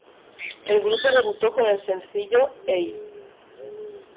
El grupo debutó con el sencillo "Hey!